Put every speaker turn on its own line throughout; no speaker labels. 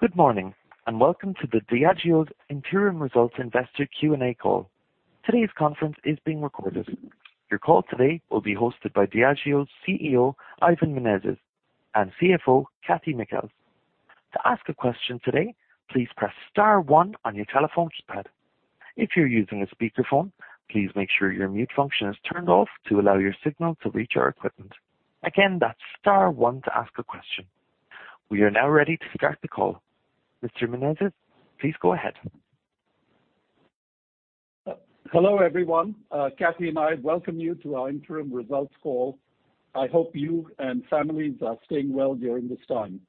Good morning, and Welcome to the Diageo's Interim Results Investor Q&A call. Today's conference is being recorded. Your call today will be hosted by Diageo's CEO, Ivan Menezes, and CFO, Kathy Mikells. To ask a question today, please press star one on your telephone keypad. If you're using a speakerphone, please make sure your mute function is turned off to allow your signal to reach our equipment. Again, that's star one to ask a question. We are now ready to start the call. Mr. Menezes, please go ahead.
Hello, everyone. Kathy and I welcome you to our interim results call. I hope you and families are staying well during this time.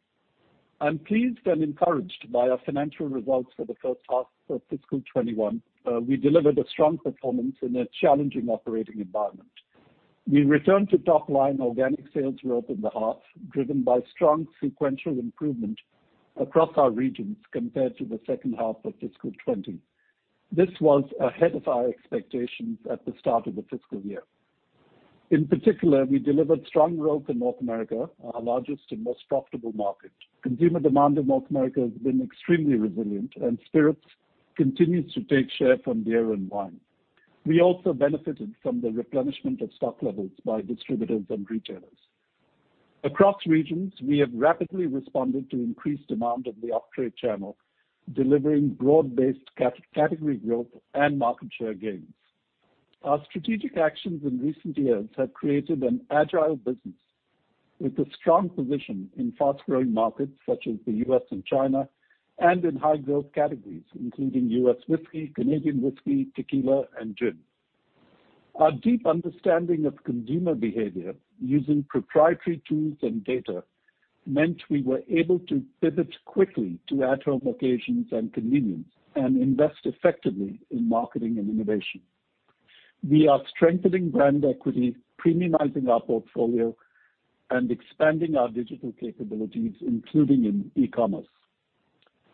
I'm pleased and encouraged by our financial results for the first half of fiscal 2021. We delivered a strong performance in a challenging operating environment. We returned to top-line organic sales growth in the half, driven by strong sequential improvement across our regions compared to the second half of fiscal 2020. This was ahead of our expectations at the start of the fiscal year. We delivered strong growth in North America, our largest and most profitable market. Consumer demand in North America has been extremely resilient. Spirits continues to take share from beer and wine. We also benefited from the replenishment of stock levels by distributors and retailers. Across regions, we have rapidly responded to increased demand of the off-trade channel, delivering broad-based category growth and market share gains. Our strategic actions in recent years have created an agile business with a strong position in fast-growing markets such as the U.S. and China, and in high-growth categories, including U.S. whiskey, Canadian whiskey, tequila, and gin. Our deep understanding of consumer behavior using proprietary tools and data meant we were able to pivot quickly to at-home occasions and convenience and invest effectively in marketing and innovation. We are strengthening brand equity, premiumizing our portfolio, and expanding our digital capabilities, including in e-commerce.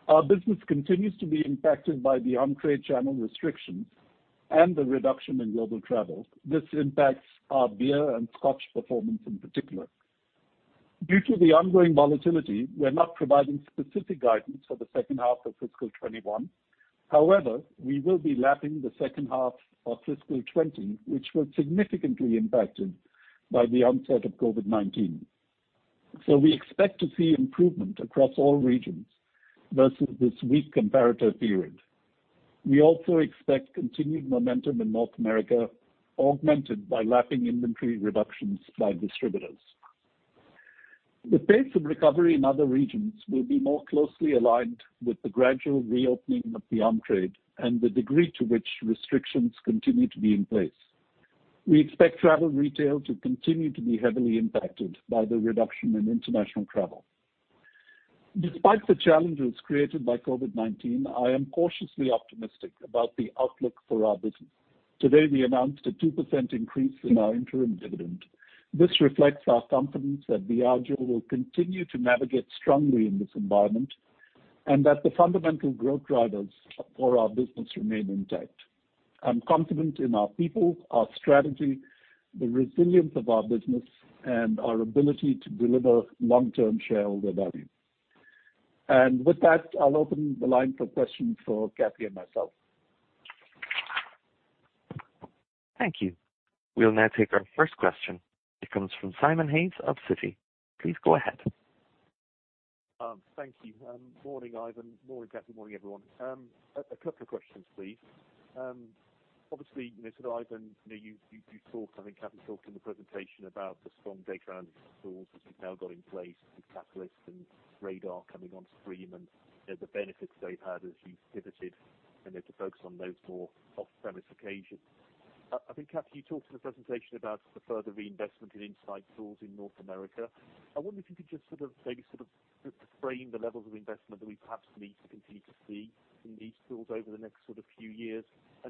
Our business continues to be impacted by the on-trade channel restrictions and the reduction in global travel. This impacts our beer and Scotch performance in particular. Due to the ongoing volatility, we are not providing specific guidance for the second half of fiscal 2021. We will be lapping the second half of fiscal 2020, which was significantly impacted by the onset of COVID-19. We expect to see improvement across all regions versus this weak comparator period. We also expect continued momentum in North America, augmented by lapping inventory reductions by distributors. The pace of recovery in other regions will be more closely aligned with the gradual reopening of the on-trade and the degree to which restrictions continue to be in place. We expect travel retail to continue to be heavily impacted by the reduction in international travel. Despite the challenges created by COVID-19, I am cautiously optimistic about the outlook for our business. Today, we announced a 2% increase in our interim dividend. This reflects our confidence that Diageo will continue to navigate strongly in this environment and that the fundamental growth drivers for our business remain intact. I'm confident in our people, our strategy, the resilience of our business, and our ability to deliver long-term shareholder value. With that, I'll open the line for questions for Kathy and myself.
Thank you. We will now take our first question. It comes from Simon Hales of Citi. Please go ahead.
Thank you. Morning, Ivan. Morning, Kathy. Morning, everyone. A couple of questions, please. Obviously, Ivan, you talked, I think Kathy talked in the presentation about the strong data analysis tools which you've now got in place with Catalyst and Radar coming on stream and the benefits that you've had as you've pivoted to focus on those more off-premise occasions. I think, Kathy, you talked in the presentation about the further reinvestment in insight tools in North America. I wonder if you could just maybe frame the levels of investment that we perhaps need to continue to see in these tools over the next few years.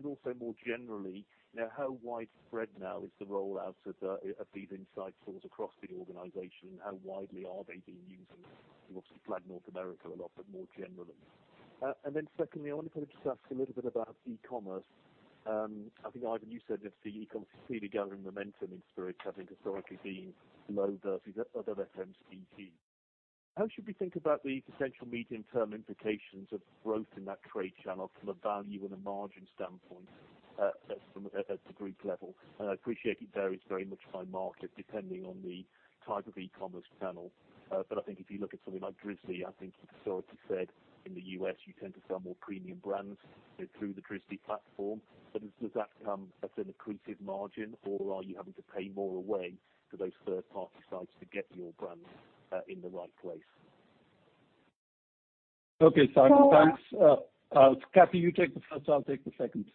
Also more generally, how widespread now is the rollout of these insight tools across the organization? How widely are they being used? You obviously flagged North America a lot, but more generally. Secondly, I wonder if I could just ask a little bit about e-commerce. I think, Ivan, you said that the e-commerce is clearly gathering momentum in spirits, I think historically being low versus other FMCGs. How should we think about the potential medium-term implications of growth in that trade channel from a value and a margin standpoint at the group level? I appreciate it varies very much by market depending on the type of e-commerce channel. I think if you look at something like Drizly, I think you've historically said in the U.S., you tend to sell more premium brands through the Drizly platform. Does that come at an accretive margin, or are you having to pay more away to those third-party sites to get your brands in the right place?
Okay, Simon. Thanks. Kathy, you take the first, I'll take the second.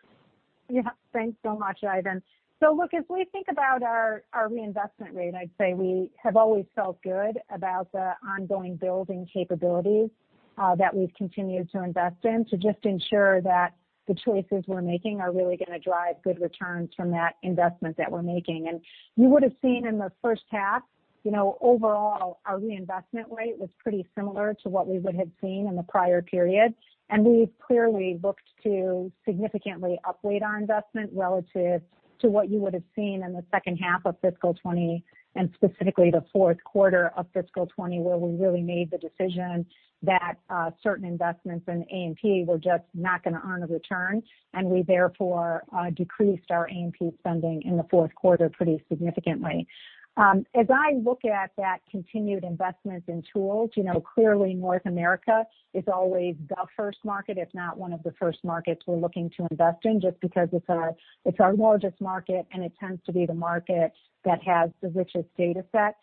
Yeah. Thanks so much, Ivan. Look, as we think about our reinvestment rate, I'd say we have always felt good about the ongoing building capabilities that we've continued to invest in to just ensure that the choices we're making are really going to drive good returns from that investment that we're making. You would've seen in the first half, overall, our reinvestment rate was pretty similar to what we would have seen in the prior period, and we clearly looked to significantly upweight our investment relative to what you would've seen in the second half of fiscal 2020, and specifically the fourth quarter of fiscal 2020, where we really made the decision that certain investments in A&P were just not going to earn a return. We, therefore, decreased our A&P spending in the fourth quarter pretty significantly. As I look at that continued investment in tools, clearly North America is always the first market, if not one of the first markets we're looking to invest in, just because it's our largest market and it tends to be the market that has the richest data set.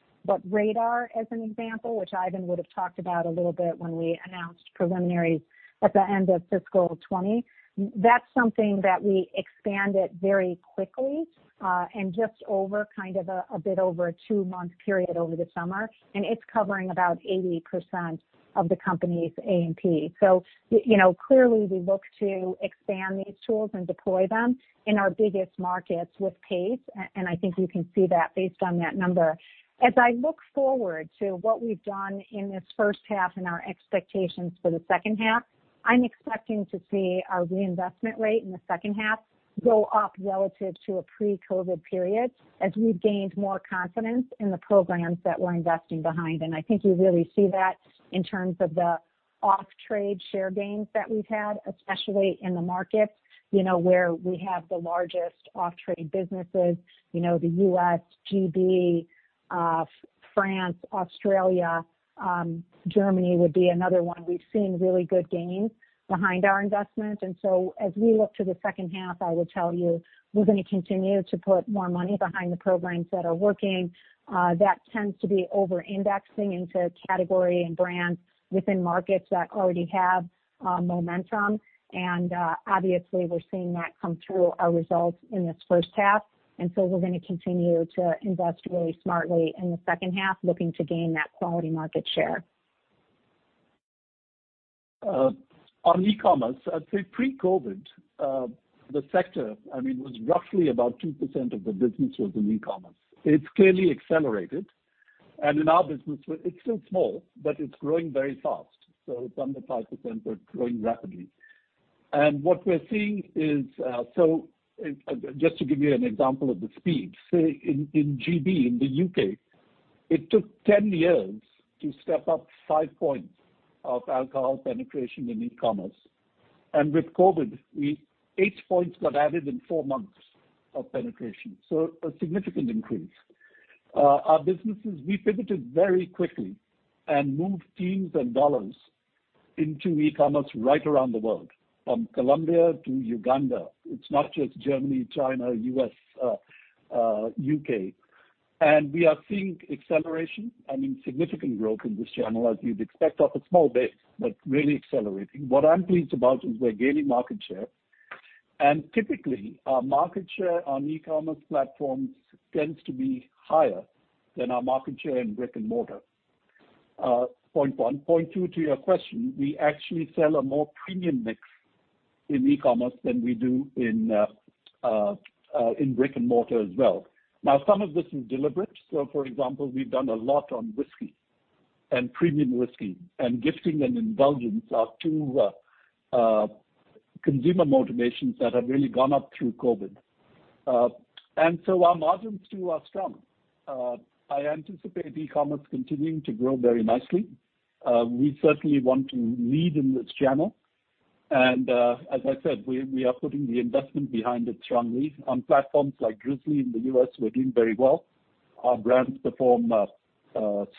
Radar, as an example, which Ivan would've talked about a little bit when we announced preliminaries at the end of fiscal 2020, that's something that we expanded very quickly, and just over a bit over a two-month period over the summer, and it's covering about 80% of the company's A&P. Clearly, we look to expand these tools and deploy them in our biggest markets with pace. I think you can see that based on that number. As I look forward to what we've done in this first half and our expectations for the second half, I'm expecting to see our reinvestment rate in the second half go up relative to a pre-COVID period, as we've gained more confidence in the programs that we're investing behind. I think you really see that in terms of the off-trade share gains that we've had, especially in the markets, where we have the largest off-trade businesses, the U.S., G.B., France, Australia. Germany would be another one. We've seen really good gains behind our investment. As we look to the second half, I will tell you, we're going to continue to put more money behind the programs that are working. That tends to be over-indexing into category and brands within markets that already have momentum. Obviously, we're seeing that come through our results in this first half. We're going to continue to invest really smartly in the second half, looking to gain that quality market share.
On e-commerce, I'd say pre-COVID, the sector was roughly about 2% of the business was in e-commerce. It's clearly accelerated. In our business, it's still small, but it's growing very fast. It's under 5%, but growing rapidly. What we're seeing is just to give you an example of the speed, say, in GB, in the U.K., it took 10 years to step up five points of alcohol penetration in e-commerce. With COVID, eight points got added in four months of penetration. A significant increase. Our businesses, we pivoted very quickly and moved teams and U.S. dollars into e-commerce right around the world, from Colombia to Uganda. It's not just Germany, China, U.S., U.K. We are seeing acceleration, significant growth in this channel, as you'd expect, off a small base, but really accelerating. What I'm pleased about is we're gaining market share, and typically, our market share on e-commerce platforms tends to be higher than our market share in brick and mortar. Point one. Point two, to your question, we actually sell a more premium mix in e-commerce than we do in brick and mortar as well. Some of this is deliberate. For example, we've done a lot on whiskey and premium whiskey, and gifting and indulgence are two consumer motivations that have really gone up through COVID. Our margins too are strong. I anticipate e-commerce continuing to grow very nicely. We certainly want to lead in this channel. As I said, we are putting the investment behind it strongly. On platforms like Drizly in the U.S., we're doing very well. Our brands perform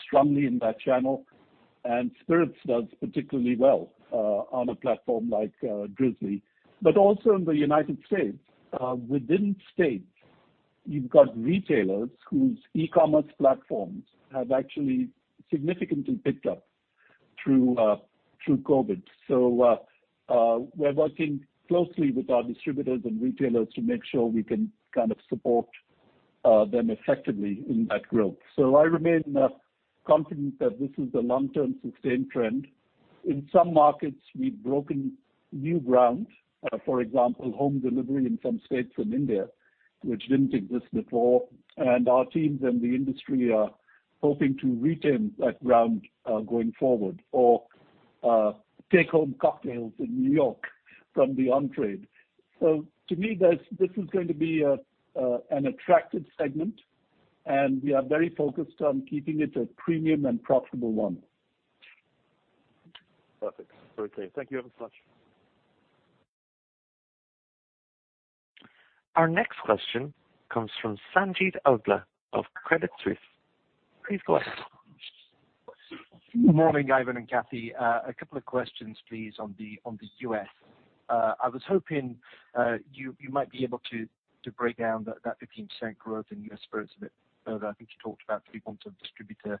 strongly in that channel, and Spirits does particularly well on a platform like Drizly. Also in the U.S., within states, you've got retailers whose e-commerce platforms have actually significantly picked up through COVID-19. We're working closely with our distributors and retailers to make sure we can support them effectively in that growth. I remain confident that this is the long-term sustained trend. In some markets, we've broken new ground, for example, home delivery in some states in India, which didn't exist before, and our teams and the industry are hoping to retain that ground going forward, or take-home cocktails in New York from the on-trade. To me, this is going to be an attractive segment, and we are very focused on keeping it a premium and profitable one.
Perfect. Okay. Thank you ever so much.
Our next question comes from Sanjeet Aujla of Credit Suisse. Please go ahead.
Morning, Ivan and Kathy. A couple of questions, please, on the U.S. I was hoping you might be able to break down that 15% growth in U.S. Spirits a bit further. I think you talked about people and distributor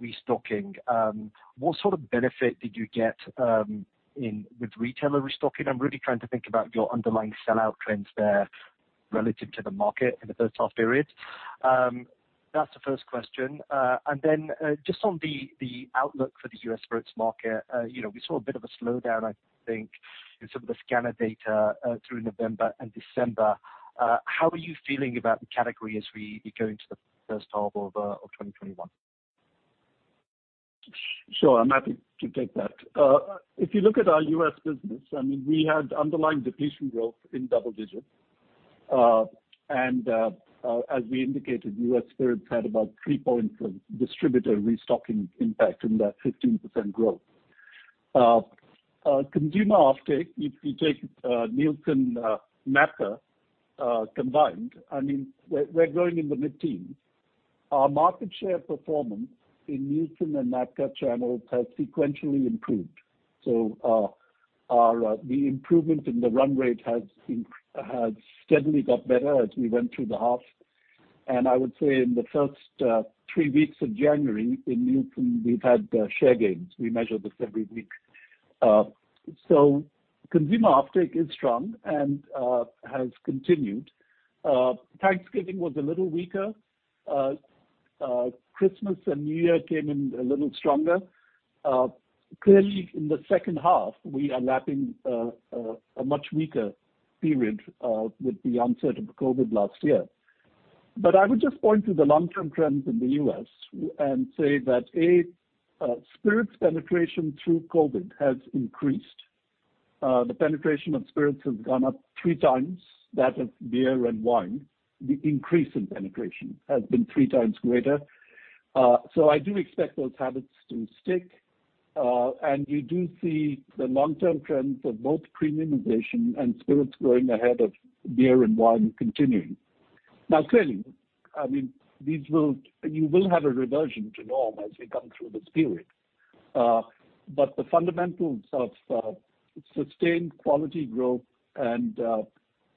restocking. What sort of benefit did you get with retailer restocking? I am really trying to think about your underlying sell-out trends there relative to the market in the first half period. That is the first question. Then, just on the outlook for the U.S. Spirits market, we saw a bit of a slowdown, I think, in some of the scanner data, through November and December. How are you feeling about the category as we go into the first half of 2021?
Sure, I'm happy to take that. If you look at our U.S. business, we had underlying depletion growth in double digits. As we indicated, U.S. Spirits had about three points of distributor restocking impact in that 15% growth. Consumer offtake, if you take Nielsen, NABCA combined, we're growing in the mid-teens. Our market share performance in Nielsen and NABCA channels has sequentially improved. The improvement in the run rate has steadily got better as we went through the half. I would say in the first three weeks of January, in Nielsen, we've had share gains. We measure this every week. Consumer offtake is strong and has continued. Thanksgiving was a little weaker. Christmas and New Year came in a little stronger. Clearly, in the second half, we are lapping a much weaker period with the onset of COVID-19 last year. I would just point to the long-term trends in the U.S. and say that, A, spirits penetration through COVID has increased. The penetration of spirits has gone up three times that of beer and wine. The increase in penetration has been three times greater. I do expect those habits to stick. We do see the long-term trends of both premiumization and spirits growing ahead of beer and wine continuing. Clearly, you will have a reversion to norm as we come through this period. The fundamentals of sustained quality growth and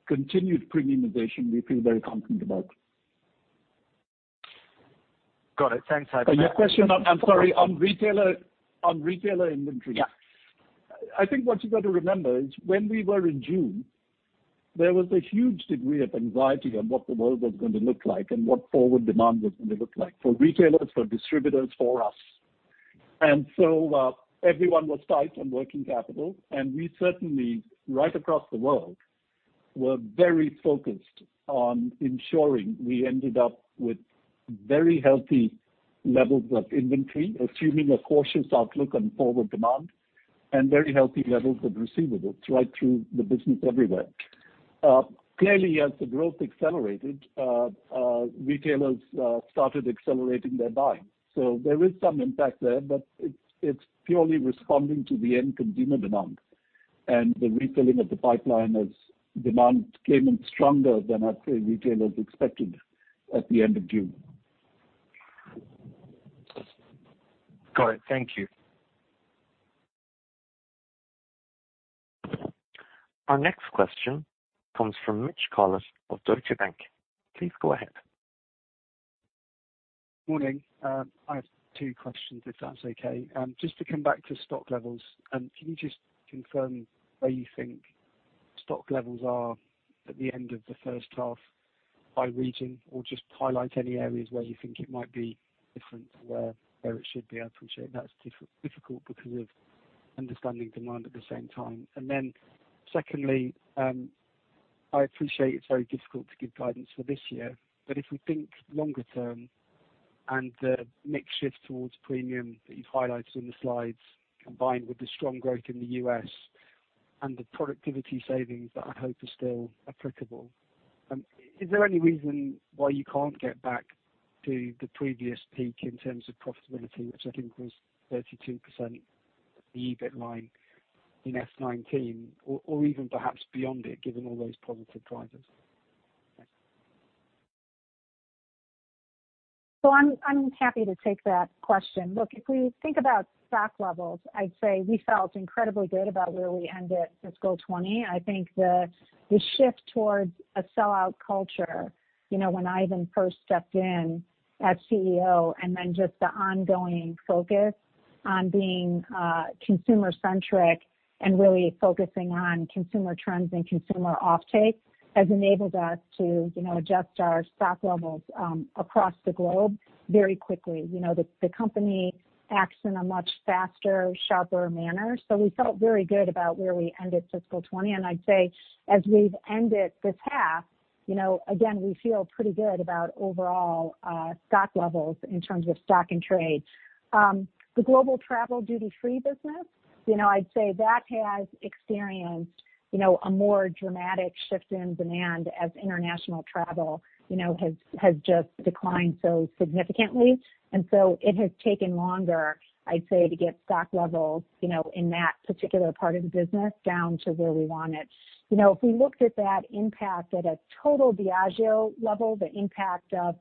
continued premiumization, we feel very confident about.
Got it. Thanks, Ivan.
Your question, I'm sorry, on retailer inventory.
Yeah.
I think what you've got to remember is when we were in June, there was a huge degree of anxiety on what the world was going to look like and what forward demand was going to look like for retailers, for distributors, for us. Everyone was tight on working capital, and we certainly, right across the world, were very focused on ensuring we ended up with very healthy levels of inventory, assuming a cautious outlook on forward demand, and very healthy levels of receivables right through the business everywhere. Clearly, as the growth accelerated, retailers started accelerating their buying. There is some impact there, but it's purely responding to the end consumer demand. The refilling of the pipeline as demand came in stronger than I'd say retailers expected at the end of June.
Got it. Thank you.
Our next question comes from Mitch Collett of Deutsche Bank. Please go ahead.
Morning. I have two questions, if that's okay. Just to come back to stock levels, can you just confirm where you think stock levels are at the end of the first half by region, or just highlight any areas where you think it might be different to where it should be? I appreciate that's difficult because of understanding demand at the same time. Secondly, I appreciate it's very difficult to give guidance for this year, but if we think longer term and the mix shift towards premium that you've highlighted on the slides, combined with the strong growth in the U.S. and the productivity savings that I hope are still applicable, is there any reason why you can't get back to the previous peak in terms of profitability, which I think was 32% EBIT line in FY 2019, or even perhaps beyond it, given all those positive drivers? Thanks.
I'm happy to take that question. Look, if we think about stock levels, I'd say we felt incredibly good about where we ended fiscal 2020. I think the shift towards a sellout culture, when Ivan first stepped in as CEO, and then just the ongoing focus on being consumer-centric and really focusing on consumer trends and consumer offtake, has enabled us to adjust our stock levels across the globe very quickly. The company acts in a much faster, sharper manner. We felt very good about where we ended fiscal 2020. I'd say as we've ended this half, again, we feel pretty good about overall stock levels in terms of stock and trade. The global travel duty free business, I'd say that has experienced a more dramatic shift in demand as international travel has just declined so significantly. It has taken longer, I'd say, to get stock levels in that particular part of the business down to where we want it. If we looked at that impact at a total Diageo level, the impact of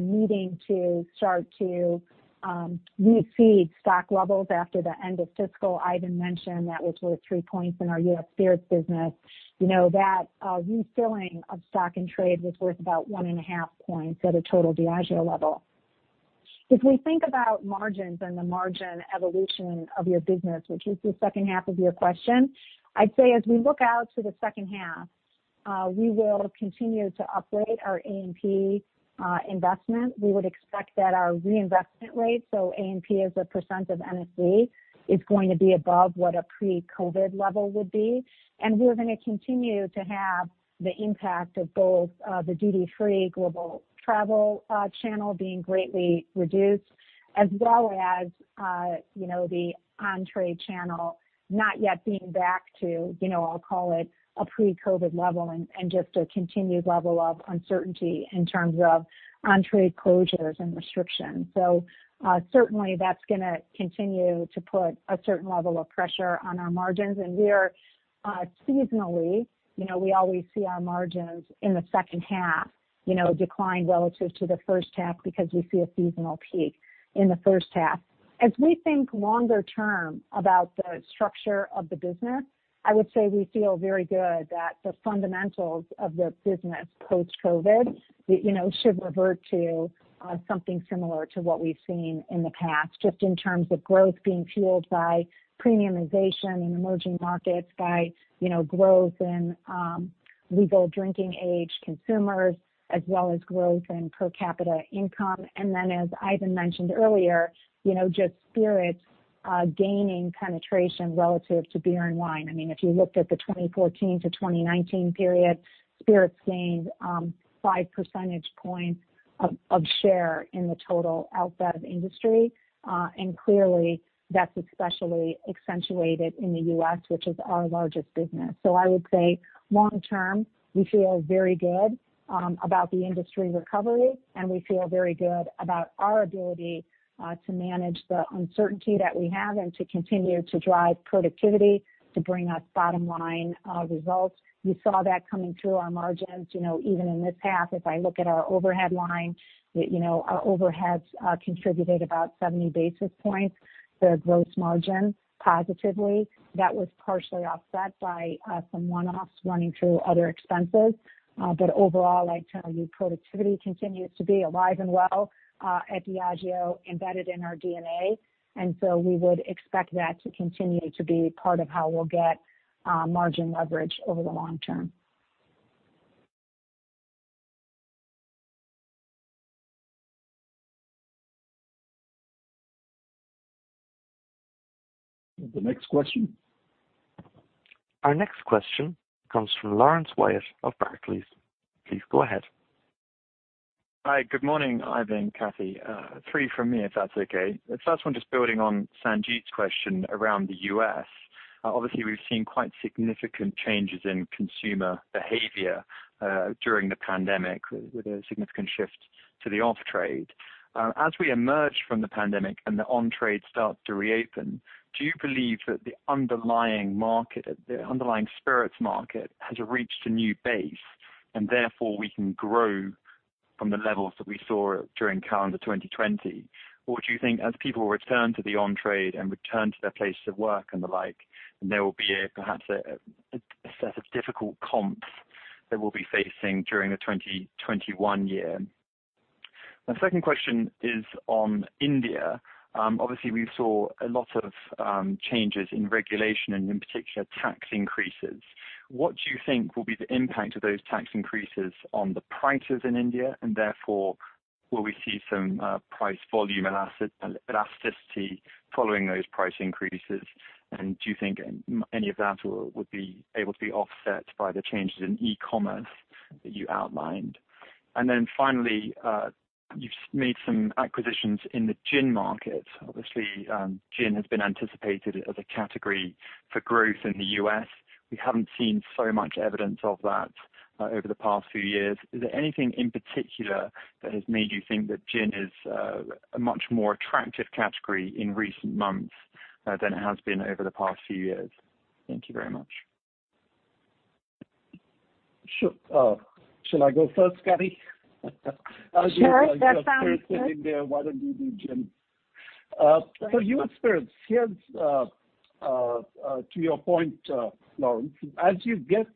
needing to start to refeed stock levels after the end of fiscal, Ivan mentioned that was worth three points in our U.S. Spirits business. That refilling of stock and trade was worth about one and a half points at a total Diageo level. If we think about margins and the margin evolution of your business, which is the second half of your question, I'd say as we look out to the second half. We will continue to upgrade our A&P investment. We would expect that our reinvestment rate, so A&P as a percentage of NSV, is going to be above what a pre-COVID level would be, and we're going to continue to have the impact of both the duty-free global travel channel being greatly reduced, as well as the on-trade channel not yet being back to, I'll call it, a pre-COVID level and just a continued level of uncertainty in terms of on-trade closures and restrictions. Certainly, that's going to continue to put a certain level of pressure on our margins, and we're seasonally, we always see our margins in the second half decline relative to the first half because we see a seasonal peak in the first half. As we think longer term about the structure of the business, I would say we feel very good that the fundamentals of the business post-COVID-19 should revert to something similar to what we've seen in the past, just in terms of growth being fueled by premiumization in emerging markets, by growth in legal drinking age consumers, as well as growth in per capita income. Then, as Ivan mentioned earlier, just spirits gaining penetration relative to beer and wine. If you looked at the 2014 to 2019 period, spirits gained five percentage points of share in the total out-of-industry. Clearly, that's especially accentuated in the U.S., which is our largest business. I would say long term, we feel very good about the industry recovery, and we feel very good about our ability to manage the uncertainty that we have and to continue to drive productivity to bring us bottom-line results. You saw that coming through our margins, even in this half. If I look at our overhead line, our overheads contributed about 70 basis points to the gross margin positively. That was partially offset by some one-offs running through other expenses. Overall, I'd tell you, productivity continues to be alive and well at Diageo, embedded in our DNA, we would expect that to continue to be part of how we'll get margin leverage over the long term.
The next question?
Our next question comes from Laurence Whyatt of Barclays. Please go ahead.
Hi. Good morning, Ivan, Kathy. Three from me, if that's okay. The first one, just building on Sanjeet's question around the U.S. Obviously, we've seen quite significant changes in consumer behavior during the pandemic, with a significant shift to the off-trade. As we emerge from the pandemic and the on-trade starts to reopen, do you believe that the underlying spirits market has reached a new base, and therefore we can grow from the levels that we saw during calendar 2020? Do you think as people return to the on-trade and return to their places of work and the like, and there will be perhaps a set of difficult comps that we'll be facing during the 2021 year? My second question is on India. Obviously, we saw a lot of changes in regulation and in particular tax increases. What do you think will be the impact of those tax increases on the prices in India, therefore, will we see some price volume elasticity following those price increases? Do you think any of that would be able to be offset by the changes in e-commerce that you outlined? Finally, you've made some acquisitions in the gin market. Obviously, gin has been anticipated as a category for growth in the U.S. We haven't seen so much evidence of that over the past few years. Is there anything in particular that has made you think that gin is a much more attractive category in recent months than it has been over the past few years? Thank you very much.
Sure. Shall I go first, Kathy?
Sure. That sounds good.
Sanjeet, you're on spirits and India. Why don't you do gin?
Sorry.
For U.S. spirits, to your point, Laurence, as you get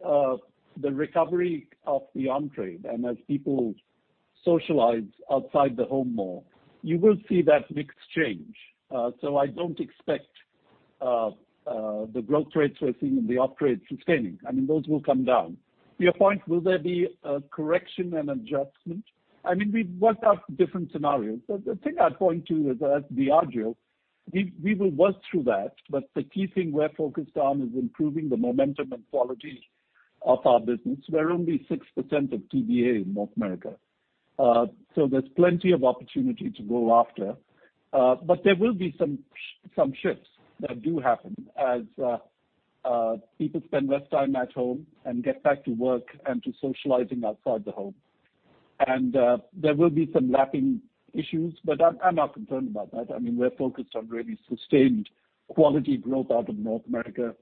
the recovery of the on-trade, and as people socialize outside the home more, you will see that mix change. I don't expect the growth rates we're seeing in the off-trade sustaining. Those will come down. To your point, will there be a correction, an adjustment? We've worked out different scenarios. The thing I'd point to is that at Diageo, we will work through that, but the key thing we're focused on is improving the momentum and quality of our business. We're only 6% of TBA in North America. There's plenty of opportunity to go after. There will be some shifts that do happen as people spend less time at home and get back to work and to socializing outside the home. There will be some lapping issues, but I'm not concerned about that. We're focused on really sustained quality growth out of North America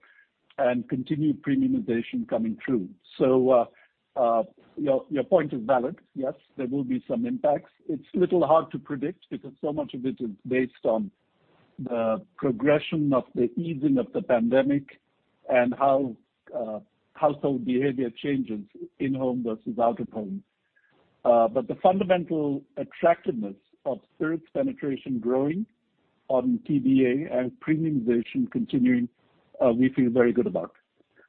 and continued premiumization coming through. Your point is valid. Yes, there will be some impacts. It's a little hard to predict because so much of it is based on the progression of the easing of the pandemic and how household behavior changes in home versus out of home. The fundamental attractiveness of spirits penetration growing on TBA and premiumization continuing, we feel very good about.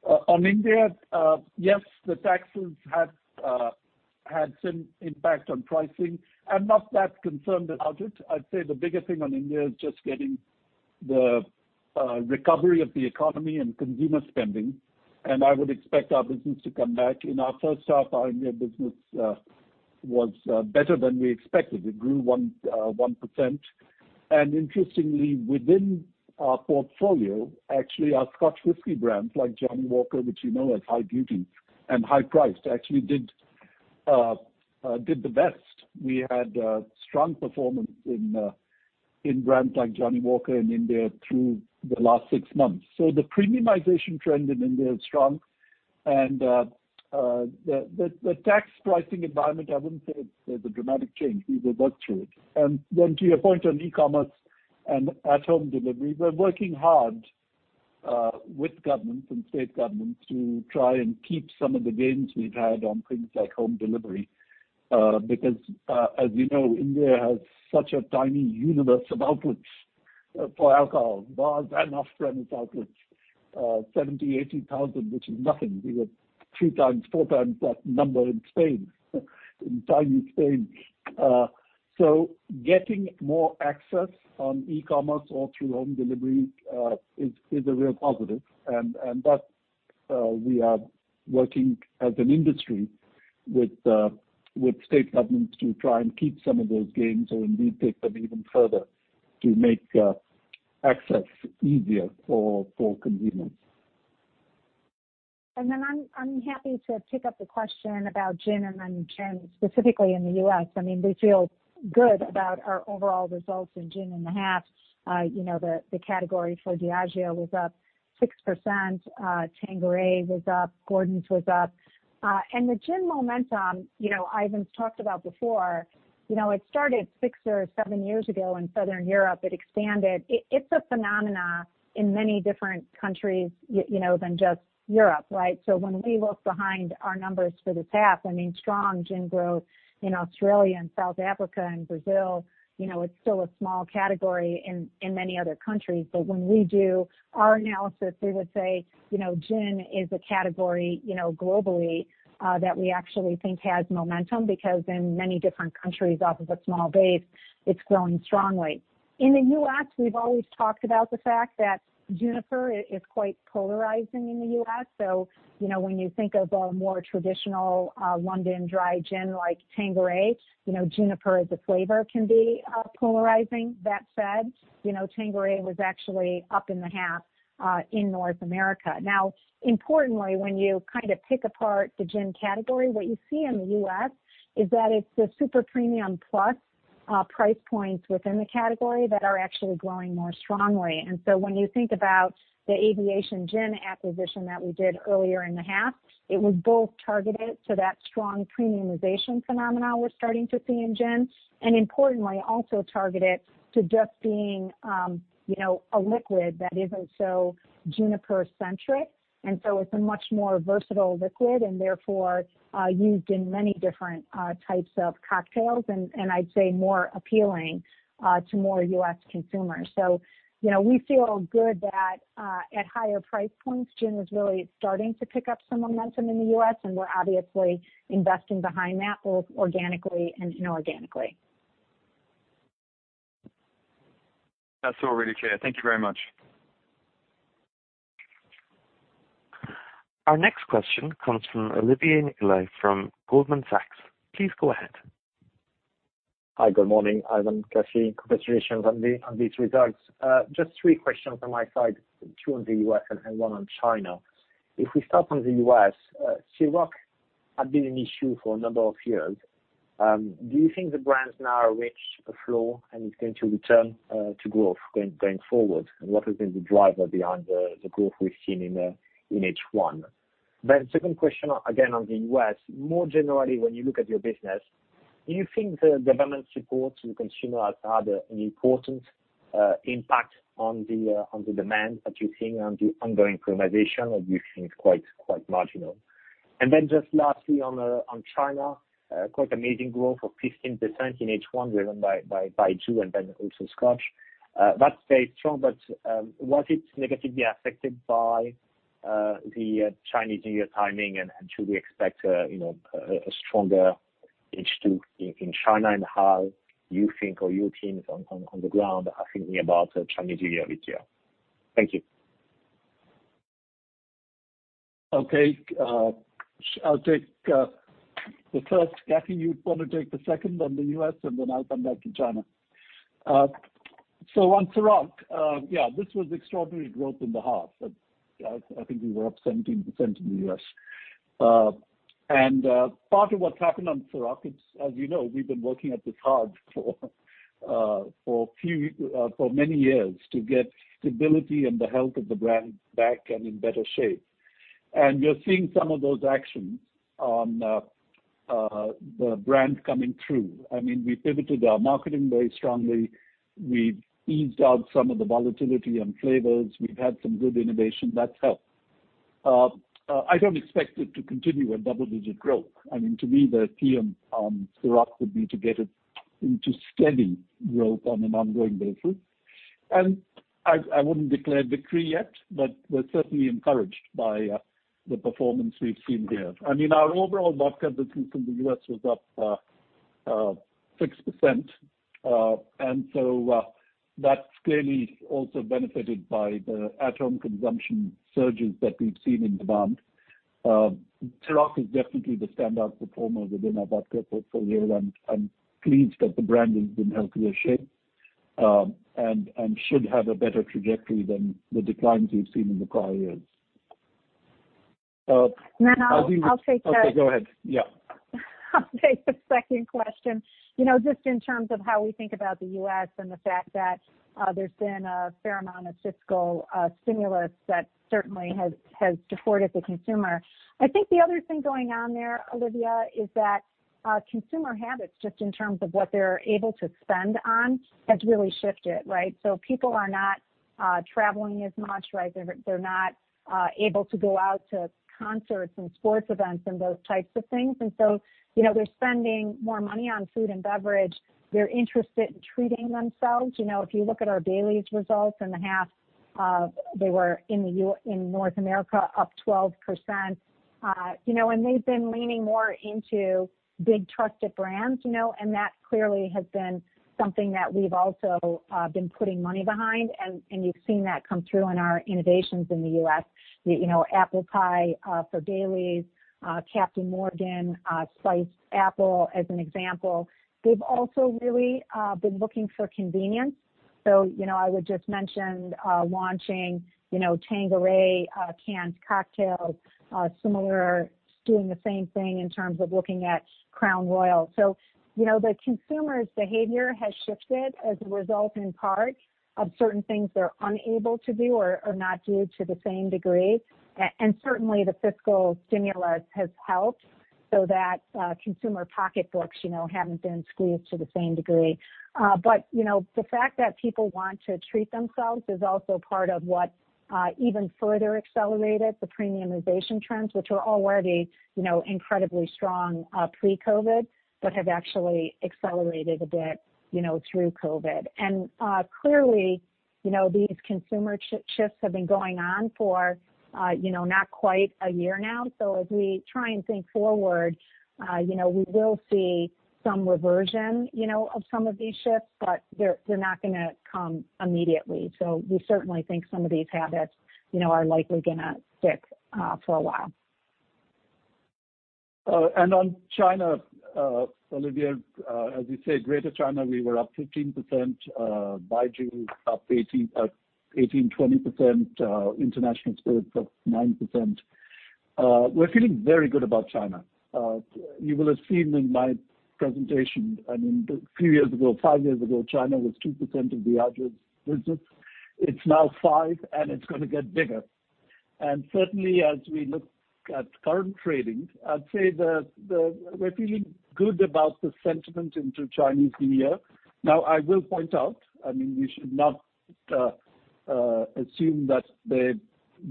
On India, yes, the taxes had some impact on pricing. I'm not that concerned about it. I'd say the biggest thing on India is just getting the recovery of the economy and consumer spending, and I would expect our business to come back. In our first half, our India business was better than we expected. It grew 1%. Interestingly, within our portfolio, actually, our Scotch whisky brands like Johnnie Walker, which you know is high duty and high priced, actually did the best. We had a strong performance in brands like Johnnie Walker in India through the last six months. The premiumization trend in India is strong, and the tax pricing environment, I wouldn't say it's a dramatic change. We will work through it. To your point on e-commerce and at-home delivery, we're working hard with governments and state governments to try and keep some of the gains we've had on things like home delivery. As you know, India has such a tiny universe of outputs for alcohol. Bars and off-premise outputs 70,000, 80,000, which is nothing. We get three times, four times that number in Spain, in tiny Spain. Getting more access on e-commerce or through home delivery is a real positive. We are working as an industry with state governments to try and keep some of those gains or indeed take them even further to make access easier for consumers.
I'm happy to pick up the question about gin, then gin specifically in the U.S. We feel good about our overall results in gin in the half. The category for Diageo was up 6%. Tanqueray was up, Gordon's was up. The gin momentum, Ivan's talked about before. It started six or seven years ago in Southern Europe. It expanded. It's a phenomena in many different countries, than just Europe, right? When we look behind our numbers for this half, strong gin growth in Australia and South Africa and Brazil. It's still a small category in many other countries. When we do our analysis, we would say, gin is a category globally, that we actually think has momentum because in many different countries off of a small base, it's growing strongly. In the U.S., we've always talked about the fact that juniper is quite polarizing in the U.S. When you think of a more traditional London dry gin like Tanqueray, juniper as a flavor can be polarizing. That said, Tanqueray was actually up in the half in North America. Importantly, when you kind of pick apart the gin category, what you see in the U.S. is that it's the super premium plus price points within the category that are actually growing more strongly. When you think about the Aviation Gin acquisition that we did earlier in the half, it was both targeted to that strong premiumization phenomenon we're starting to see in gin, and importantly, also targeted to just being a liquid that isn't so juniper centric. It's a much more versatile liquid, and therefore, used in many different types of cocktails, and I'd say more appealing to more U.S. consumers. We feel good that at higher price points, gin is really starting to pick up some momentum in the U.S., and we're obviously investing behind that, both organically and inorganically.
That's all really clear. Thank you very much.
Our next question comes from Olivier Nicolai from Goldman Sachs. Please go ahead.
Hi, good morning, Ivan, Kathy. Congratulations on these results. Just three questions on my side, two on the U.S. and one on China. If we start on the U.S., Cîroc, had been an issue for a number of years. Do you think the brands now have reached a flow and is going to return to growth going forward? What has been the driver behind the growth we've seen in H1? Second question again on the U.S. More generally, when you look at your business, do you think the government support to consumers has had an important impact on the demand that you're seeing on the ongoing premiumization, or do you think it's quite marginal? Just lastly on China, quite amazing growth of 15% in H1 driven by Baijiu and then also Scotch. That's very strong, was it negatively affected by the Chinese New Year timing, and should we expect a stronger H2 in China? How you think, or your teams on the ground are thinking about Chinese New Year this year? Thank you.
Okay. I'll take the first. Kathy, you'd want to take the second on the U.S., then I'll come back to China. On Cîroc, yeah, this was extraordinary growth in the half. I think we were up 17% in the U.S. Part of what's happened on Cîroc, as you know, we've been working at this hard for many years to get stability and the health of the brand back and in better shape. You're seeing some of those actions on the brand coming through. We pivoted our marketing very strongly. We've eased out some of the volatility on flavors. We've had some good innovation. That's helped. I don't expect it to continue a double-digit growth. To me, the theme on Cîroc, would be to get it into steady growth on an ongoing basis. I wouldn't declare victory yet, but we're certainly encouraged by the performance we've seen there. Our overall vodka business in the U.S. was up 6%, that's clearly also benefited by the at-home consumption surges that we've seen in demand. Cîroc is definitely the standout performer within our vodka portfolio, I'm pleased that the brand is in healthier shape, and should have a better trajectory than the declines we've seen in the prior years.
Now, I'll take.
Okay, go ahead. Yeah.
I'll take the second question. Just in terms of how we think about the U.S. and the fact that there's been a fair amount of fiscal stimulus that certainly has supported the consumer. I think the other thing going on there, Olivier, is that consumer habits, just in terms of what they're able to spend on, have really shifted, right? People are not traveling as much. They're not able to go out to concerts and sports events and those types of things. They're spending more money on food and beverage. They're interested in treating themselves. If you look at our Baileys results in the half, they were, in North America, up 12%. They've been leaning more into big trusted brands, and that clearly has been something that we've also been putting money behind, and you've seen that come through in our innovations in the U.S. Apple pie for Baileys, Captain Morgan Sliced Apple, as an example. They've also really been looking for convenience. I would just mention launching Tanqueray canned cocktails, similar, doing the same thing in terms of looking at Crown Royal. The consumer's behavior has shifted as a result, in part, of certain things they're unable to do or not do to the same degree. And certainly the fiscal stimulus has helped so that consumer pocketbooks haven't been squeezed to the same degree. The fact that people want to treat themselves is also part of what even further accelerated the premiumization trends, which were already incredibly strong pre-COVID, but have actually accelerated a bit through COVID. Clearly, these consumer shifts have been going on for not quite a year now. As we try and think forward, we will see some reversion of some of these shifts, but they're not gonna come immediately. We certainly think some of these habits are likely gonna stick for a while.
On China, Olivier, as you said, Greater China, we were up 15%, Baijiu up 18%, 20%, International Spirits up 9%. We're feeling very good about China. You will have seen in my presentation, a few years ago, five years ago, China was 2% of Diageo's business. It's now 5%, and it's gonna get bigger. Certainly, as we look at current trading, I'd say that we're feeling good about the sentiment into Chinese New Year. Now, I will point out, we should not assume that there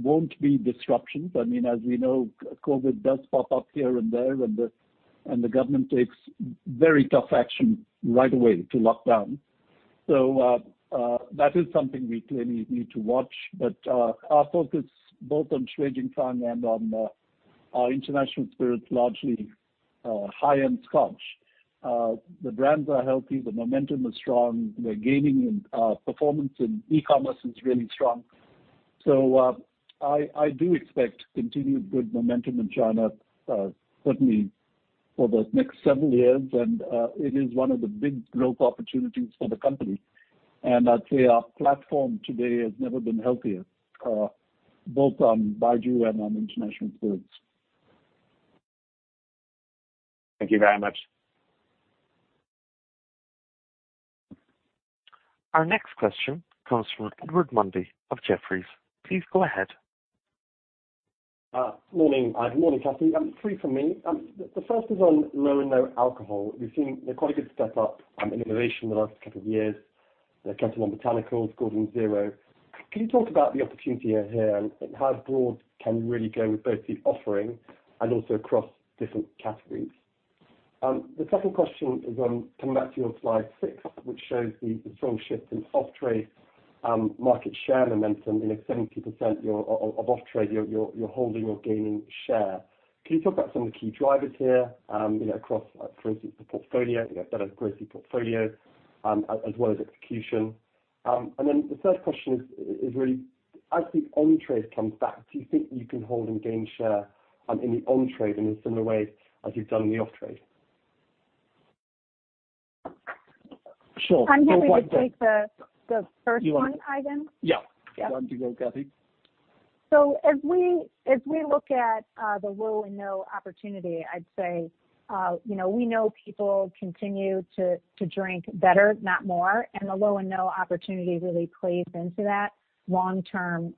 won't be disruptions. As we know, COVID does pop up here and there, and the government takes very tough action right away to lock down. That is something we clearly need to watch. Our focus both on Shui Jing Fang and on our International Spirits, largely high-end scotch. The brands are healthy. The momentum is strong. We're gaining in performance in e-commerce is really strong. I do expect continued good momentum in China, certainly for the next several years. It is one of the big growth opportunities for the company. I'd say our platform today has never been healthier, both on Baijiu and on international spirits.
Thank you very much.
Our next question comes from Edward Mundy of Jefferies. Please go ahead.
Morning. Morning, Kathy. Three from me. The first is on low and no alcohol. We've seen quite a good step-up in innovation in the last couple of years, Ketel One Botanical, Gordon's 0.0%. Can you talk about the opportunity here and how broad can you really go with both the offering and also across different categories? The second question is on, coming back to your slide six, which shows the strong shift in off-trade market share momentum. In 70% of off-trade, you're holding or gaining share. Can you talk about some of the key drivers here, across, for instance, the portfolio, better grocery portfolio, as well as execution? The third question is really, as the on-trade comes back, do you think you can hold and gain share in the on-trade in a similar way as you've done in the off-trade?
Sure.
I'm happy to take the first one, Ivan.
Yeah. On to you, Kathy.
As we look at the low and no opportunity, I'd say, we know people continue to drink better, not more, and the low and no opportunity really plays into that long-term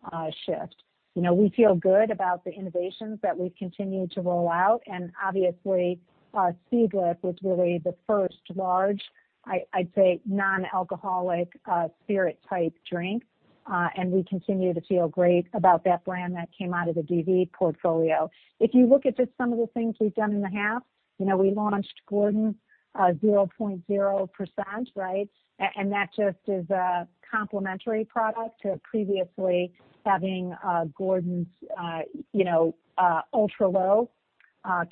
shift. We feel good about the innovations that we've continued to roll out, obviously, Seedlip was really the first large, I'd say, non-alcoholic spirit type drink. We continue to feel great about that brand. That came out of the DV portfolio. If you look at just some of the things we've done in the half, we launched Gordon's 0.0%, right? That just is a complementary product to previously having Gordon's ultra-low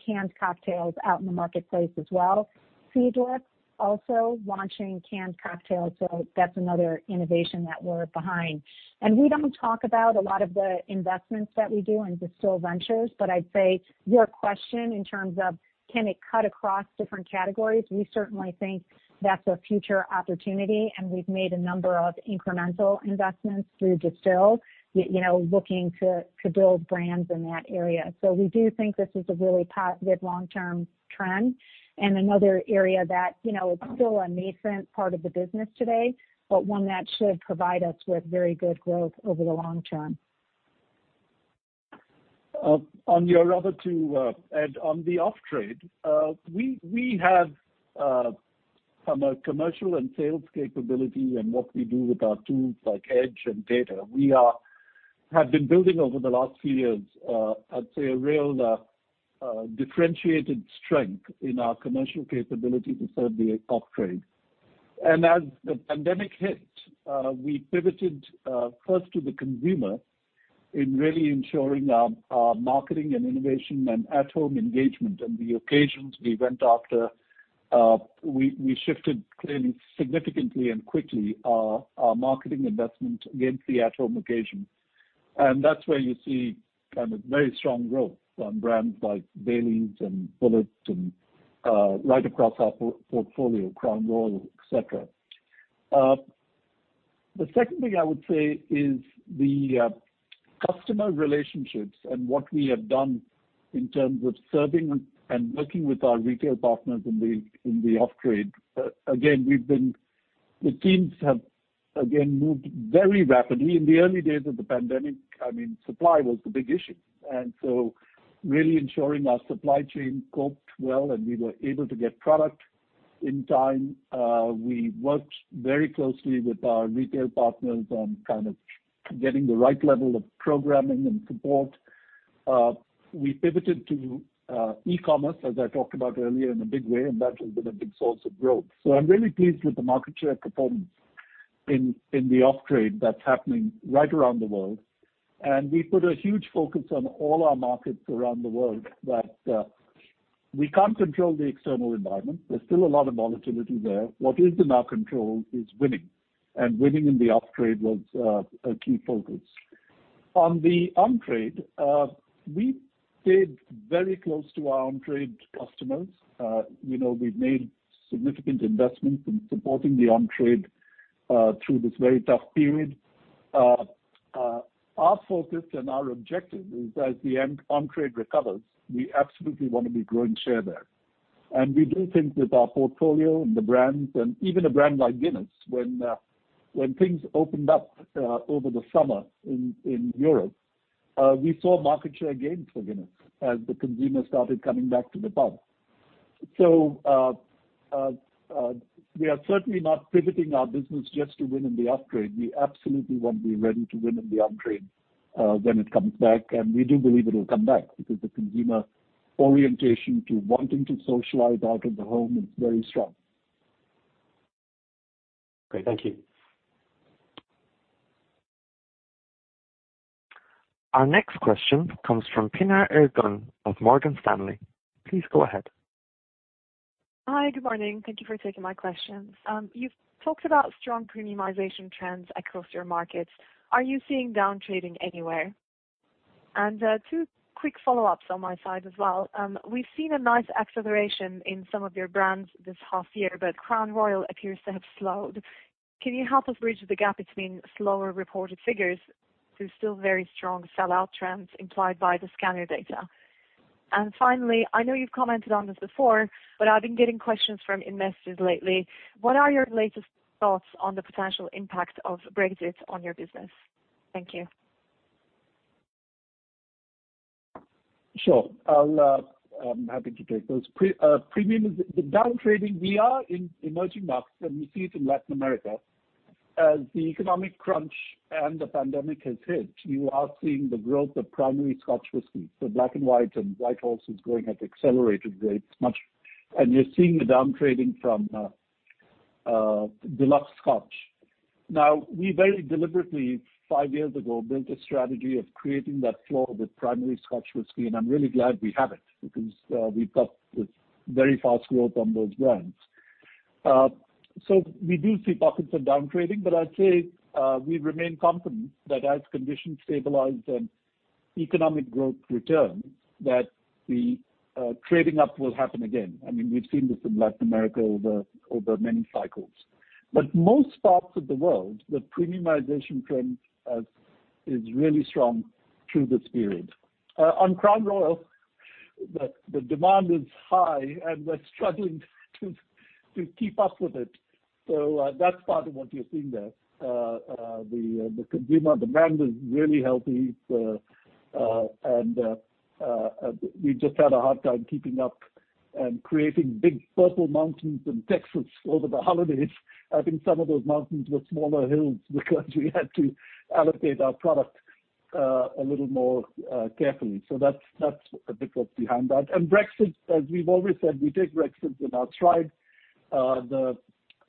canned cocktails out in the marketplace as well. Seedlip also launching canned cocktails, so that's another innovation that we're behind. We don't talk about a lot of the investments that we do in Distill Ventures, but I'd say your question in terms of can it cut across different categories, we certainly think that's a future opportunity, and we've made a number of incremental investments through Distill, looking to build brands in that area. We do think this is a really positive long-term trend, and another area that, it's still a nascent part of the business today, but one that should provide us with very good growth over the long term.
On your other two, on the off-trade, we have, from a commercial and sales capability and what we do with our tools like EDGE and data, we have been building over the last few years, I'd say, a real differentiated strength in our commercial capability to serve the off-trade. As the pandemic hit, we pivoted first to the consumer in really ensuring our marketing and innovation and at-home engagement and the occasions we went after. We shifted clearly, significantly, and quickly our marketing investment against the at-home occasion. That's where you see very strong growth on brands like Baileys and Bulleit and right across our portfolio, Crown Royal, et cetera. The second thing I would say is the customer relationships and what we have done in terms of serving and working with our retail partners in the off-trade. Again, the teams have, again, moved very rapidly. In the early days of the pandemic, supply was the big issue. Really ensuring our supply chain coped well and we were able to get product in time. We worked very closely with our retail partners on getting the right level of programming and support. We pivoted to e-commerce, as I talked about earlier, in a big way, and that has been a big source of growth. I'm really pleased with the market share performance in the off-trade that's happening right around the world. We put a huge focus on all our markets around the world, but we can't control the external environment. There's still a lot of volatility there. What is in our control is winning, and winning in the off-trade was a key focus. On the on-trade, we stayed very close to our on-trade customers. We've made significant investments in supporting the on-trade through this very tough period. Our focus and our objective is as the on-trade recovers, we absolutely want to be growing share there. We do think that our portfolio and the brands and even a brand like Guinness, when things opened up over the summer in Europe, we saw market share gains for Guinness as the consumer started coming back to the pub. We are certainly not pivoting our business just to win in the off-trade. We absolutely want to be ready to win in the on-trade when it comes back, and we do believe it'll come back because the consumer orientation to wanting to socialize out of the home is very strong.
Great. Thank you.
Our next question comes from Pinar Ergun of Morgan Stanley. Please go ahead.
Hi. Good morning. Thank you for taking my questions. You've talked about strong premiumization trends across your markets. Are you seeing down-trading anywhere? Two quick follow-ups on my side as well. We've seen a nice acceleration in some of your brands this half year, but Crown Royal appears to have slowed. Can you help us bridge the gap between slower reported figures through still very strong sell-out trends implied by the scanner data? Finally, I know you've commented on this before, but I've been getting questions from investors lately. What are your latest thoughts on the potential impact of Brexit on your business? Thank you.
Sure. I'm happy to take those. The down-trading, we are in emerging markets, and we see it in Latin America. As the economic crunch and the pandemic has hit, you are seeing the growth of primary Scotch whisky, so Black & White and White Horse is growing at accelerated rates much. You're seeing the down-trading from deluxe Scotch. Now, we very deliberately, five years ago, built a strategy of creating that floor with primary Scotch whisky, and I'm really glad we have it because we've got this very fast growth on those brands. We do see pockets of down-trading, but I'd say we remain confident that as conditions stabilize and economic growth returns, that the trading up will happen again. We've seen this in Latin America over many cycles. Most parts of the world, the premiumization trend is really strong through this period. On Crown Royal, the demand is high, and we're struggling to keep up with it. That's part of what you're seeing there. The consumer demand is really healthy, and we've just had a hard time keeping up and creating big Purple Mountains in Texas over the holidays. I think some of those mountains were smaller hills because we had to allocate our product a little more carefully. That's a bit of behind that. Brexit, as we've always said, we take Brexit in our stride.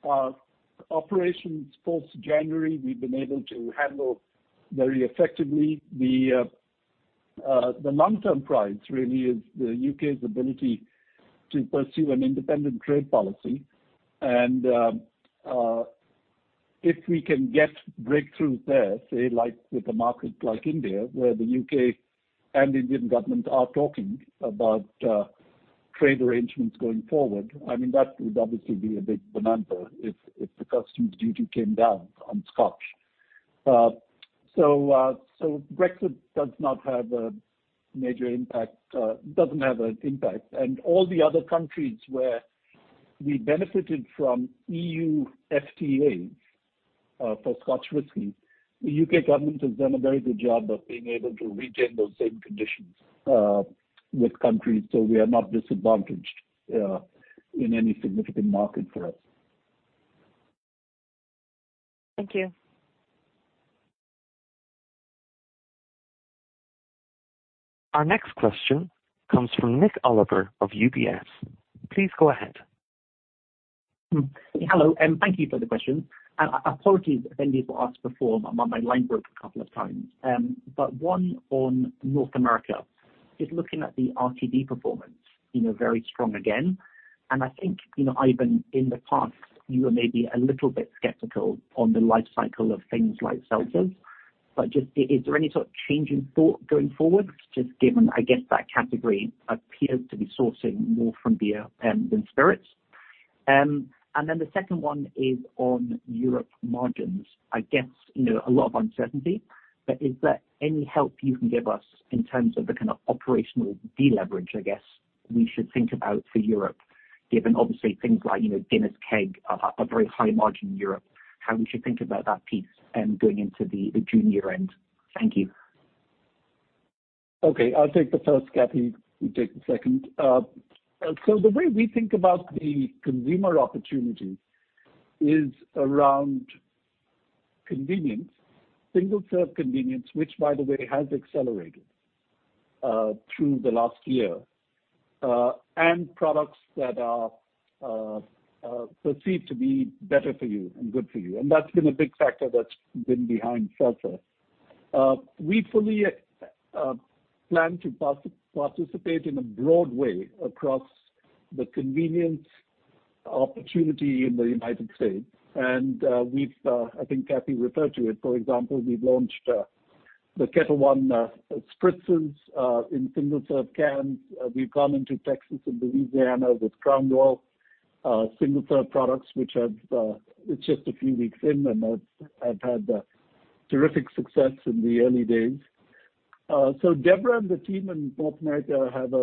The operations post January, we've been able to handle very effectively. The long-term prize really is the U.K.'s ability to pursue an independent trade policy. If we can get breakthroughs there, say, like with a market like India, where the U.K. and Indian government are talking about trade arrangements going forward, that would obviously be a big bonanza if the customs duty came down on Scotch. Brexit doesn't have an impact. All the other countries where we benefited from EU FTAs for Scotch whisky, the U.K. government has done a very good job of being able to retain those same conditions with countries, so we are not disadvantaged in any significant market for us.
Thank you.
Our next question comes from Nik Oliver of UBS. Please go ahead.
Hello, thank you for the question. Apologies if anybody saw us before. My line broke a couple of times. One on North America. Just looking at the RTD performance, very strong again. I think, Ivan, in the past, you were maybe a little bit skeptical on the life cycle of things like seltzers. Just is there any sort of change in thought going forward? Just given, I guess, that category appears to be sourcing more from beer than spirits. The second one is on Europe margins. I guess, a lot of uncertainty. Is there any help you can give us in terms of the kind of operational deleverage, I guess, we should think about for Europe? Given, obviously, things like Guinness Cask are a very high margin in Europe, how we should think about that piece going into the June year-end. Thank you.
Okay. I'll take the first, Kathy, you take the second. The way we think about the consumer opportunity is around convenience. Single-serve convenience, which by the way, has accelerated through the last year. Products that are perceived to be better for you and good for you. That's been a big factor that's been behind seltzer. We fully plan to participate in a broad way across the convenience opportunity in the United States. I think Kathy referred to it. For example, we've launched the Ketel One spritzers in single-serve cans. We've gone into Texas and Louisiana with Crown Royal single-serve products, which it's just a few weeks in, and have had terrific success in the early days. Debra and the team in North America have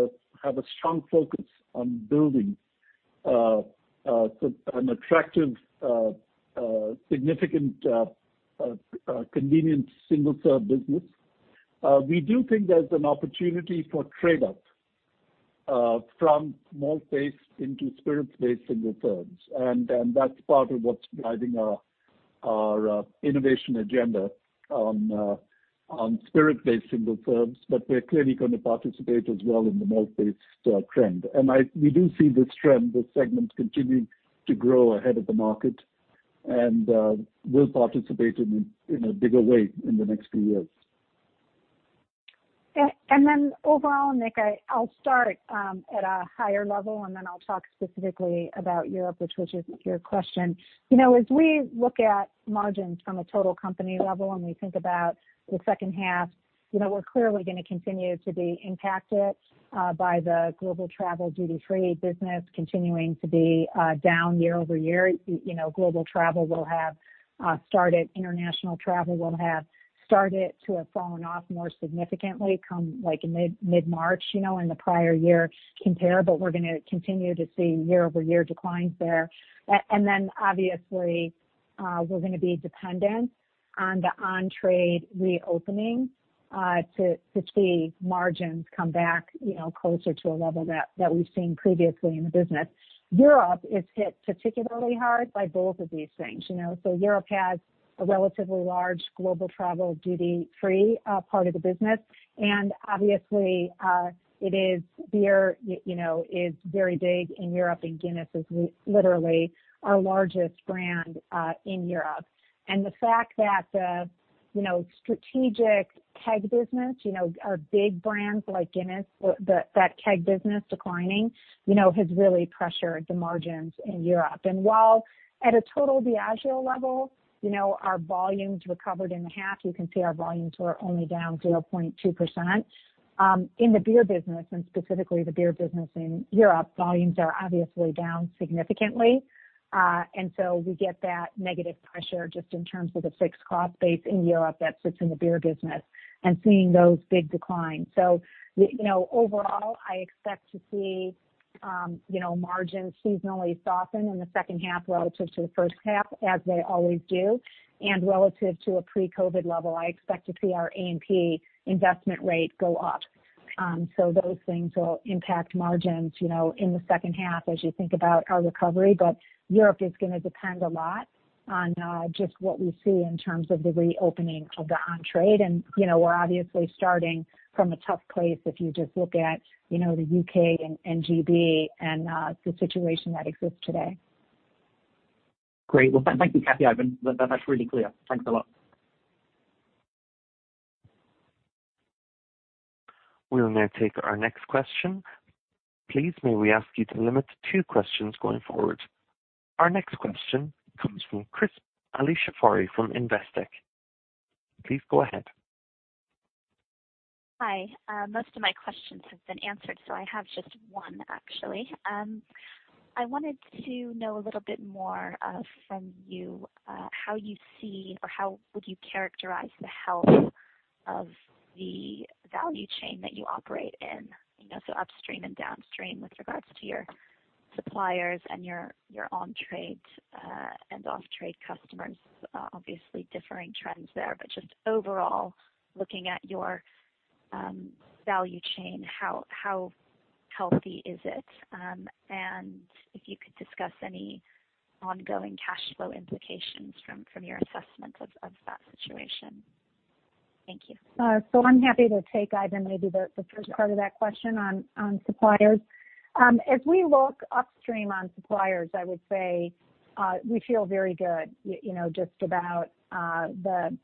a strong focus on building an attractive, significant, convenience single-serve business. We do think there's an opportunity for trade-up from malt-based into spirit-based single serves. That's part of what's driving our innovation agenda on spirit-based single serves. We're clearly going to participate as well in the malt-based trend. We do see this trend, this segment continuing to grow ahead of the market and will participate in a bigger way in the next few years.
Overall, Nik, I'll start at a higher level, then I'll talk specifically about Europe, which was your question. As we look at margins from a total company level, and we think about the second half, we're clearly going to continue to be impacted by the global travel duty-free business continuing to be down year over year. Global travel, international travel will have started to have fallen off more significantly come mid-March in the prior year compare. We're going to continue to see year over year declines there. Obviously, we're going to be dependent on the on-trade reopening to see margins come back closer to a level that we've seen previously in the business. Europe is hit particularly hard by both of these things. Europe has a relatively large global travel duty-free part of the business. Obviously, beer is very big in Europe, and Guinness is literally our largest brand in Europe. The fact that the strategic keg business, our big brands like Guinness, that keg business declining, has really pressured the margins in Europe. While at a total Diageo level, our volumes recovered in the half. You can see our volumes were only down 0.2%. In the beer business and specifically the beer business in Europe, volumes are obviously down significantly. We get that negative pressure just in terms of the fixed cost base in Europe that sits in the beer business and seeing those big declines. Overall, I expect to see margins seasonally soften in the second half relative to the first half, as they always do. Relative to a pre-COVID level, I expect to see our A&P investment rate go up. Those things will impact margins in the second half as you think about our recovery. Europe is going to depend a lot on just what we see in terms of the reopening of the on-trade. We're obviously starting from a tough place if you just look at the U.K. and G.B. and the situation that exists today.
Great. Well, thank you, Kathy. That's really clear. Thanks a lot.
We'll now take our next question. Please, may we ask you to limit to two questions going forward? Our next question comes from Alicia Forry from Investec. Please go ahead.
Hi. Most of my questions have been answered. I have just one, actually. I wanted to know a little bit more from you, how you see or how would you characterize the health of the value chain that you operate in, so upstream and downstream, with regards to your suppliers and your on-trade and off-trade customers. Obviously differing trends there. Just overall, looking at your value chain, how healthy is it? If you could discuss any ongoing cash flow implications from your assessment of that situation. Thank you.
I'm happy to take, Ivan, maybe the first part of that question on suppliers. As we look upstream on suppliers, I would say we feel very good just about the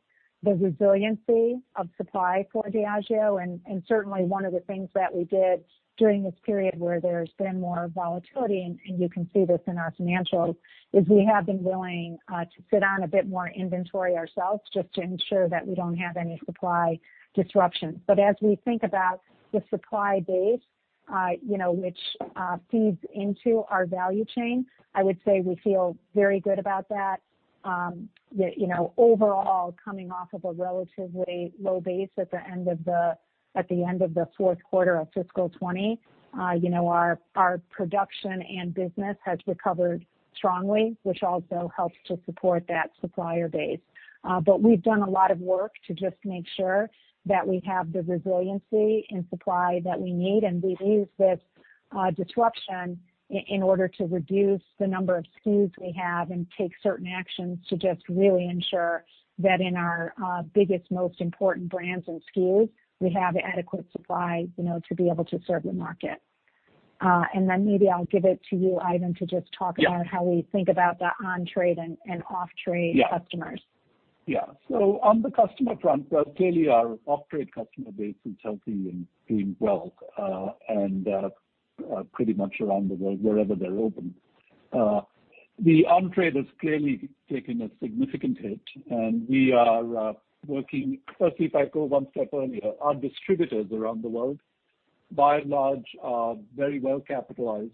resiliency of supply for Diageo. Certainly one of the things that we did during this period where there's been more volatility, and you can see this in our financials, is we have been willing to sit on a bit more inventory ourselves just to ensure that we don't have any supply disruption. As we think about the supply base which feeds into our value chain, I would say we feel very good about that. Overall, coming off of a relatively low base at the end of the fourth quarter of fiscal 2020. Our production and business has recovered strongly, which also helps to support that supplier base. We've done a lot of work to just make sure that we have the resiliency and supply that we need. We've used this disruption in order to reduce the number of SKUs we have and take certain actions to just really ensure that in our biggest, most important brands and SKUs, we have adequate supply to be able to serve the market. Maybe I'll give it to you, Ivan, to just talk about how we think about the on-trade and off-trade customers.
Yeah. On the customer front, clearly our off-trade customer base is healthy and doing well, and pretty much around the world wherever they're open. The on-trade has clearly taken a significant hit, and we are working Firstly, if I go one step earlier, our distributors around the world, by and large, are very well capitalized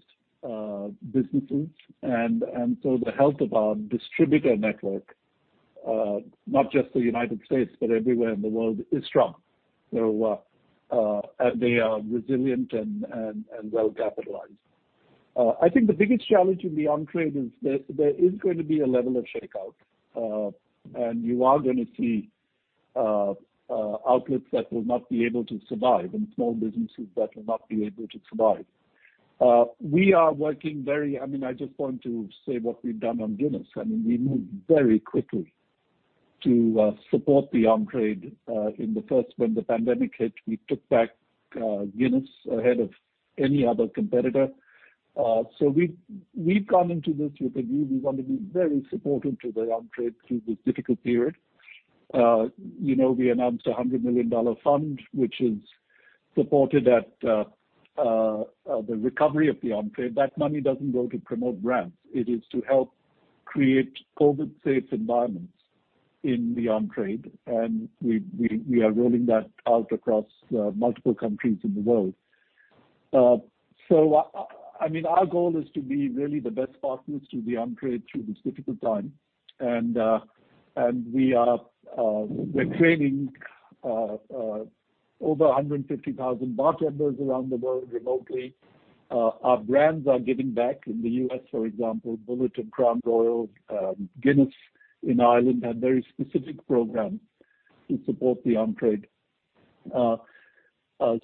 businesses. The health of our distributor network, not just the U.S., but everywhere in the world, is strong. They are resilient and well capitalized. I think the biggest challenge in the on-trade is there is going to be a level of shakeout, and you are going to see outlets that will not be able to survive and small businesses that will not be able to survive. I just want to say what we've done on Guinness. We moved very quickly to support the on-trade. When the pandemic hit, we took back Guinness ahead of any other competitor. We've gone into this with a view we want to be very supportive to the on-trade through this difficult period. We announced a $100 million fund, which is supported at the recovery of the on-trade. That money doesn't go to promote brands. It is to help create COVID safe environments in the on-trade. We are rolling that out across multiple countries in the world. Our goal is to be really the best partners to the on-trade through this difficult time. We're training over 150,000 bartenders around the world remotely. Our brands are giving back. In the U.S., for example, Bulleit and Crown Royal, Guinness in Ireland, have very specific programs to support the on-trade.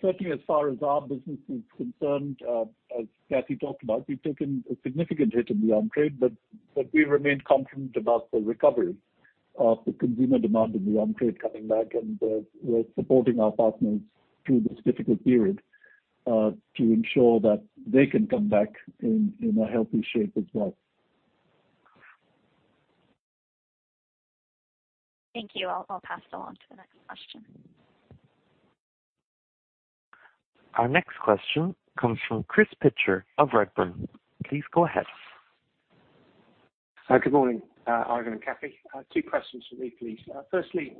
Certainly as far as our business is concerned, as Kathy talked about, we've taken a significant hit in the on-trade, but we remain confident about the recovery of the consumer demand in the on-trade coming back. We're supporting our partners through this difficult period, to ensure that they can come back in a healthy shape as well.
Thank you. I'll pass it along to the next question.
Our next question comes from Chris Pitcher of Redburn. Please go ahead.
Good morning, Ivan and Kathy. Two questions from me, please. Firstly,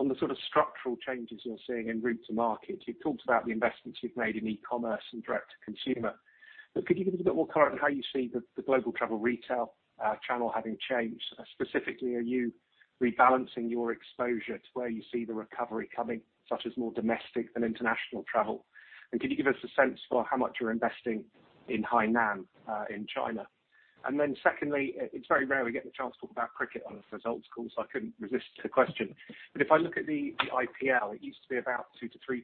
on the sort of structural changes you're seeing in route to market. You've talked about the investments you've made in e-commerce and direct to consumer. Could you give us a bit more color on how you see the global travel retail channel having changed? Specifically, are you rebalancing your exposure to where you see the recovery coming, such as more domestic than international travel? Could you give us a sense for how much you're investing in Hainan in China? Secondly, it's very rare we get the chance to talk about cricket on these results calls, so I couldn't resist a question. If I look at the IPL, it used to be about 2%-3%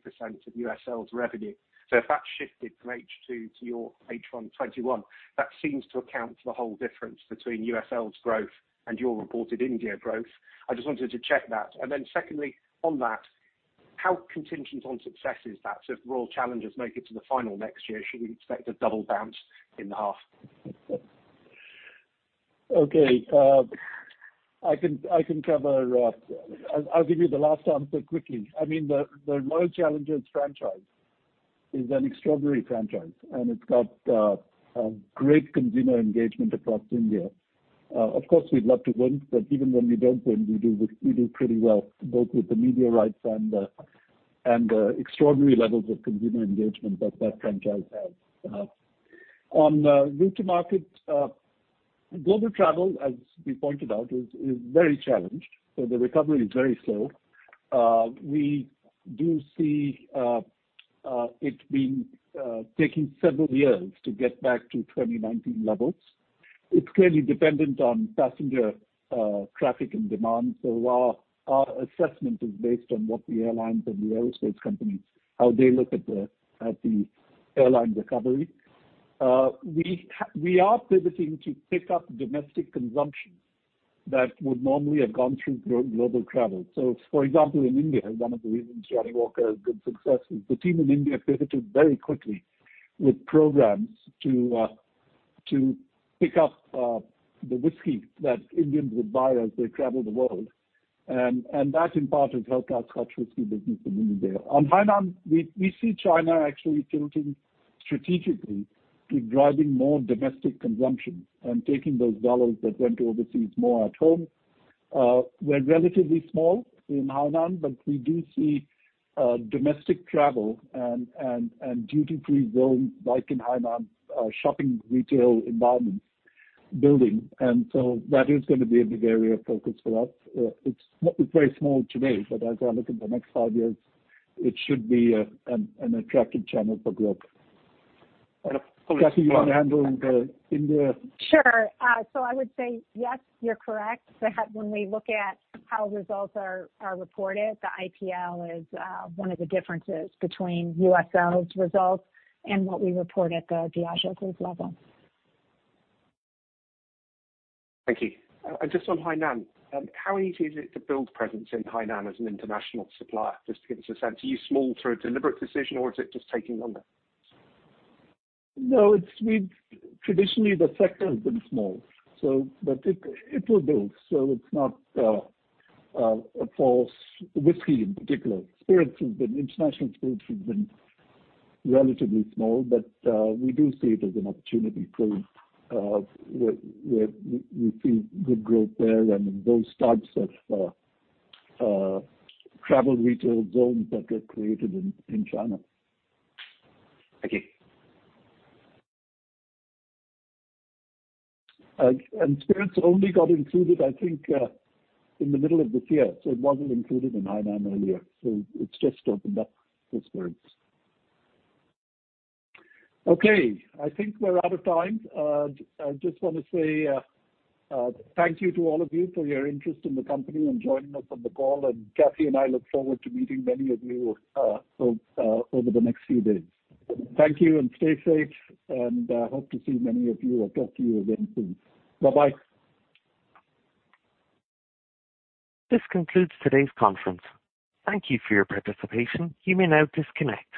of USL's revenue. If that's shifted from H2 to your H1 2021, that seems to account for the whole difference between USL's growth and your reported India growth. I just wanted to check that. Secondly, on that, how contingent on success is that? If Royal Challengers make it to the final next year, should we expect a double bounce in the half?
Okay. I'll give you the last answer quickly. I mean, the Royal Challengers franchise is an extraordinary franchise. It's got a great consumer engagement across India. Of course, we'd love to win. Even when we don't win, we do pretty well, both with the media rights and the extraordinary levels of consumer engagement that that franchise has. On route to market, global travel, as we pointed out, is very challenged. The recovery is very slow. We do see it taking several years to get back to 2019 levels. It's clearly dependent on passenger traffic and demand. Our assessment is based on what the airlines and the aerospace companies, how they look at the airline recovery. We are pivoting to pick up domestic consumption that would normally have gone through global travel. For example, in India, one of the reasons Johnnie Walker has good success is the team in India pivoted very quickly with programs to pick up the whisky that Indians would buy as they travel the world. That, in part, has helped our Scotch whisky business in India. On Hainan, we see China actually tilting strategically to driving more domestic consumption and taking those dollars that went overseas more at home. We're relatively small in Hainan, we do see domestic travel and duty-free zones like in Hainan, shopping retail environments building. That is going to be a big area of focus for us. It's very small today, as I look at the next five years, it should be an attractive channel for growth. Kathy, you want to handle the India?
Sure. I would say yes, you're correct, that when we look at how results are reported, the IPL is one of the differences between USL's results and what we report at the Diageo Group level.
Thank you. Just on Hainan, how easy is it to build presence in Hainan as an international supplier, just to give us a sense? Are you small through a deliberate decision, or is it just taking longer?
Traditionally the sector has been small. It will build, so it's not a [false] whiskey in particular. International spirits has been relatively small, but we do see it as an opportunity where we see good growth there and those types of travel retail zones that get created in China.
Thank you.
Spirits only got included, I think, in the middle of this year, so it wasn't included in Hainan earlier. It's just opened up for spirits. Okay, I think we're out of time. I just want to say thank you to all of you for your interest in the company and joining us on the call, and Kathy and I look forward to meeting many of you over the next few days. Thank you, and stay safe, and hope to see many of you or talk to you again soon. Bye-bye.
This concludes today's conference. Thank you for your participation. You may now disconnect.